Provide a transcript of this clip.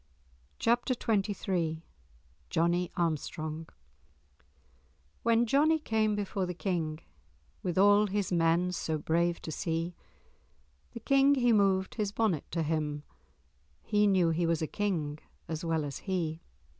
*Chapter XXIII* *Johnie Armstrong* "When Johnie came before the King, With all his men so brave to see, The King he moved his bonnet to him; He knew he was a King as well as he."